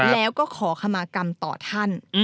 แล้วก็ขอคำมากรรมต่อท่าน